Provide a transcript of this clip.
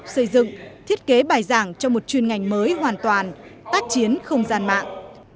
xây dựng thiết kế bài giảng cho một chuyên ngành mới hoàn toàn tác chiến không gian mạng